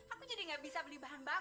aku jadi gak bisa beli bahan baku